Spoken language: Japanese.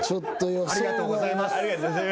ありがとうございます。